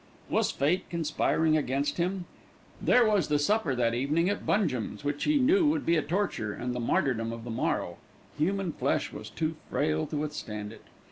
Was fate conspiring against him? There was the supper that evening at Bungem's, which he knew would be a torture, and the martyrdom of the morrow. Human flesh was too frail to withstand it!